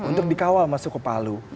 untuk dikawal masuk ke palu